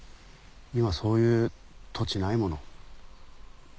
今そういう土地ないもの。